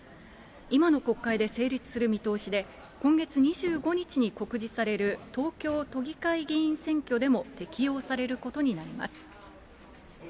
今の国会で成立する見通しで、今月２５日に告示される東京都議会議員選挙でも適用されることになります。